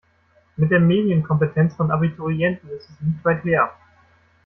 Mit der Medienkompetenz von Abiturienten ist es nicht weit her.